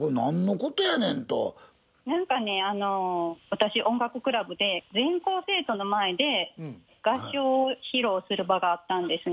私音楽クラブで全校生徒の前で合唱を披露する場があったんですね。